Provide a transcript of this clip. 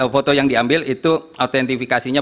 foto yang diambil itu autentifikasinya